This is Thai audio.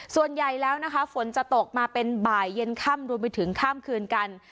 ส่วนใหญ่แล้วนะคะฝนจะตกมาเป็นบ่ายเย็นค่ำรวมไปถึงข้ามคืนกัน